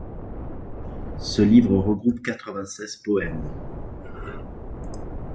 Ce livre regroupe quatre-vingt-seize poèmes.